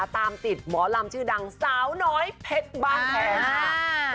ตามติดหมอลำชื่อดังสาวน้อยเพชรบ้านแพ้